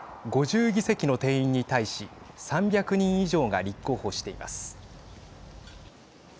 ５０議席の定員に対し３００人以上が立候補しています。